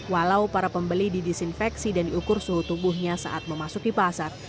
walau para pembeli didisinfeksi dan diukur suhu tubuhnya saat memasuki pasar